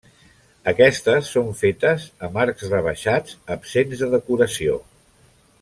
Aquestes són fetes amb arcs rebaixats absents de decoració.